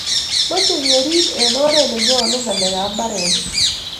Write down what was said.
mechei kerub eng' oret ne nyolu ng'alekab mbarenik